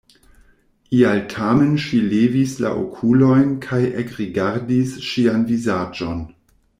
Ial tamen ŝi levis la okulojn kaj ekrigardis ŝian vizaĝon.